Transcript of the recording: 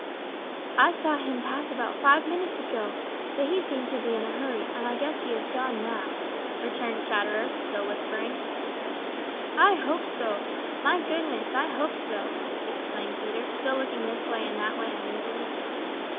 "I saw him pass about five minutes ago, but he seemed to be in a hurry, and I guess he has gone now," returned Chatterer, still whispering. "I hope so! My goodness, I hope so!" exclaimed Peter, still looking this way and that way uneasily.